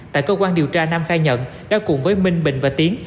tại cơ quan điều tra nam khai nhận đã cùng với minh bình và tiến